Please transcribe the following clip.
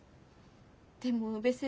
でも宇部先生